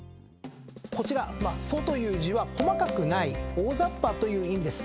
こちら粗という字は細かくない大ざっぱという意味です。